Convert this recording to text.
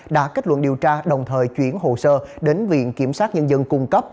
đã kết luận điều tra đồng thời chuyển hồ sơ đến viện kiểm sát nhân dân cung cấp